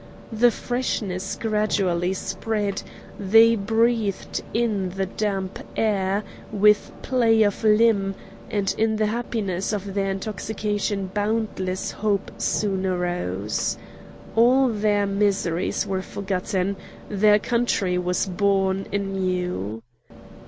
The freshness gradually spread; they breathed in the damp air with play of limb, and in the happiness of their intoxication boundless hope soon arose. All their miseries were forgotten. Their country was born anew.